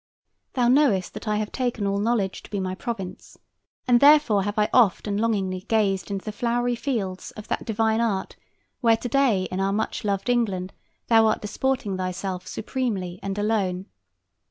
Thou knowest that I have taken all knowledge to be my province, and therefore have I oft and longingly gazed into the flowery fields of that divine art where to day in our much loved England thou art disporting thyself supremely and alone.